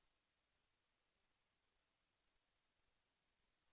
แสวได้ไงของเราก็เชียนนักอยู่ค่ะเป็นผู้ร่วมงานที่ดีมาก